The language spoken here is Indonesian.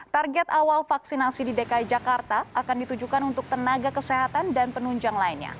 target awal vaksinasi di dki jakarta akan ditujukan untuk tenaga kesehatan dan penunjang lainnya